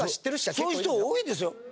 そういう人多いんですよ。